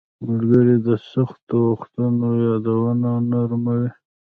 • ملګري د سختو وختونو یادونه نرموي.